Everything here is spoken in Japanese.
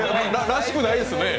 らしくないですね。